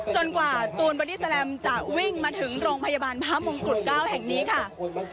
กว่าตูนบอดี้แลมจะวิ่งมาถึงโรงพยาบาลพระมงกุฎ๙แห่งนี้ค่ะ